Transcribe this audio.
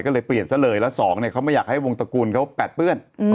ก็เลยเปลี่ยนซะเลยแล้วสองเนี่ยเขาไม่อยากให้วงตระกูลเขาแปดเปื้อน